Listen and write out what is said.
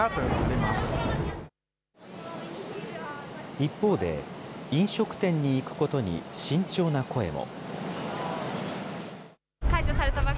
一方で、飲食店に行くことに慎重な声も。